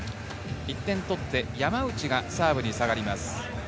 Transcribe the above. １点とって山内がサーブに下がります。